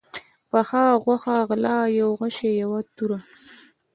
پخه غوښه، غله، يو غشى، يوه توره